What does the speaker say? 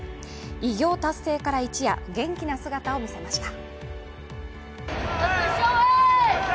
偉業達成から一夜、元気な姿を見せました。